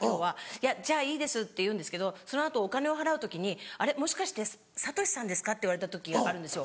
「いやじゃあいいです」って言うんですけどその後お金を払う時に「もしかしてサトシさんですか？」って言われた時あるんですよ。